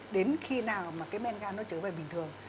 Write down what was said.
đến khi nào mà cái men gan nó trở về bình thường